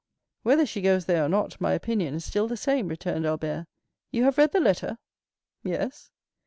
"Whether she goes there or not, my opinion is still the same," returned Albert. "You have read the letter?" "Yes."